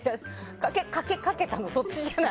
かけたの、そっちじゃない！